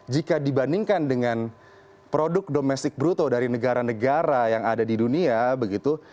jika dibandingkan dengan produk domestik bruto dari negara negara yang ada di dunia begitu